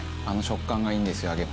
あの食感がいいんですよ